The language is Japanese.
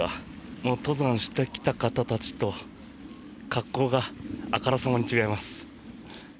もう登山してきた方たちと格好があからさまに違います。